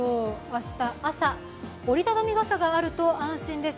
明日朝、折り畳み傘があると安心です。